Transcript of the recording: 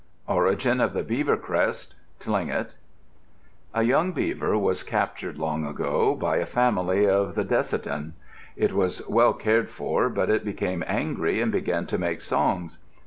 ORIGIN OF THE BEAVER CREST Tlingit A young beaver was captured, long ago, by a family of the Decitan. It was well cared for, but it became angry and began to make songs.